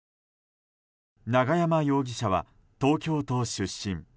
永山容疑者は東京都出身。